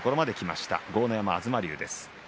豪ノ山と東龍です。